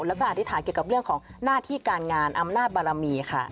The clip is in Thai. แล้วก็อธิษฐานเกี่ยวกับเรื่องของหน้าที่การงานอำนาจบารมีค่ะ